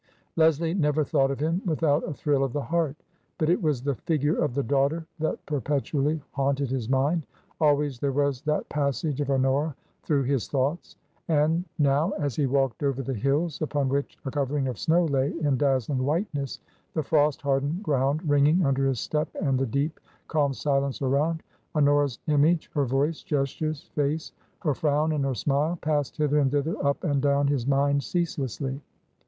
Leslie never thought of him without a thrill of the heart. But it was the figure of the daughter that perpetually haunted his mind; always there was that passage of Honora through his thoughts! And now as he walked over the hills, upon which a covering of snow lay in dazzling whiteness, the frost hardened ground ringing under his step and the deep, calm silence around, Honora*s image, her voice, gestures, face, her frown and her smile, passed hither and thither up and down his mind ceaselessly.